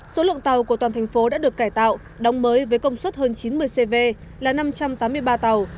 số lượng tàu của toàn thành phố đã được cải tạo đóng mới với công suất hơn chín mươi cv là năm trăm tám mươi ba tàu